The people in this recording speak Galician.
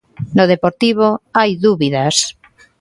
No Deportivo hai dúbidas.